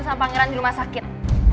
sama pangeran di rumah sakit